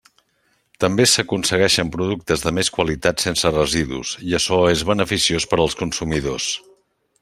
També s'aconseguixen productes de més qualitat, sense residus, i açò és beneficiós per als consumidors.